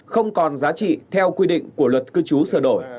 không còn giá trị theo quy định của luật cư trú sửa đổi